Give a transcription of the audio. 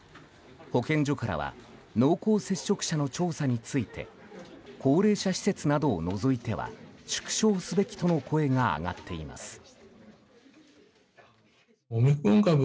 保健所からは濃厚接触者の調査について高齢者施設などを除いては縮小すべきとの声が上がっています。